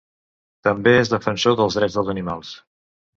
També és defensor dels drets dels animals.